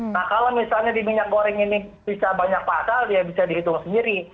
nah kalau misalnya di minyak goreng ini bisa banyak pasal ya bisa dihitung sendiri